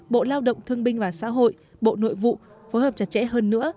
bộ lao động thương binh và xã hội bộ nội vụ phối hợp chặt chẽ hơn nữa